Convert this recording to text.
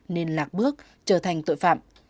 nên lạc bước trở thành tội phạm